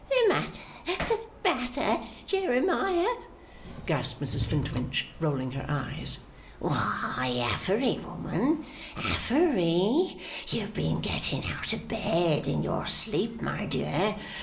'The the matter, Jeremiah?' gasped Mrs Flintwinch, rolling her eyes. 'Why, Affery, woman Affery! You have been getting out of bed in your sleep, my dear!